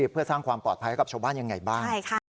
เพื่อสร้างความปลอดภัยกับชบบ้านอย่างไรบ้าง